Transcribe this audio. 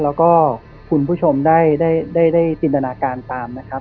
แล้วก็คุณผู้ชมได้จินตนาการตามนะครับ